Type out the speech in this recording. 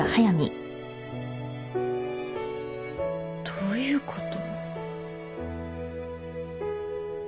どういうこと。